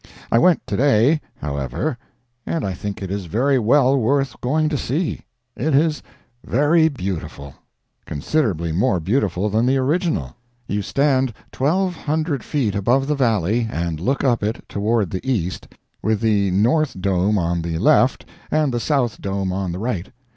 I went to day, however, and I think it is very well worth going to see. It is very beautiful—considerably more beautiful than the original. You stand twelve hundred feet above the valley, and look up it toward the east, with the North Dome on the left and the South Dome on the right.